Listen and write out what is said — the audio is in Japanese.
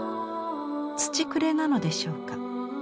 土くれなのでしょうか。